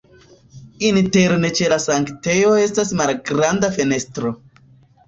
Interne ĉe la sanktejo estas malgranda fenestro.